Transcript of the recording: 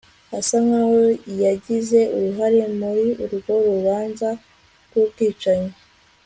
Asa nkaho yagize uruhare muri urwo rubanza rwubwicanyi